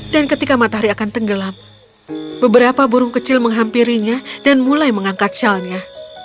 dan ketika matahari akan tenggelam beberapa burung kecil menghampirinya dan mulai mengangkat shawl nya